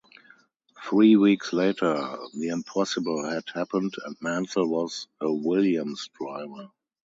Three weeks later the impossible had happened and Mansell was a Williams driver.